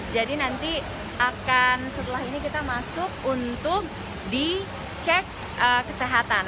jadi nanti akan setelah ini kita masuk untuk dicek kesehatan